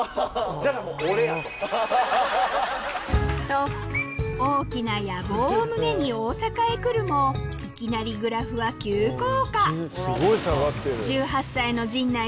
だからもう俺やと。と大きな野望を胸に大阪へ来るもいきなりグラフは急降下